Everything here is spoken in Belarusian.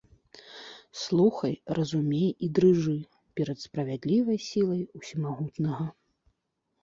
Слухай, разумей і дрыжы перад справядлівай сілай усемагутнага.